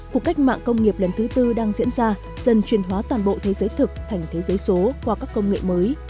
cuộc cách mạng công nghiệp lần thứ tư đang diễn ra dần truyền hóa toàn bộ thế giới thực thành thế giới số qua các công nghệ mới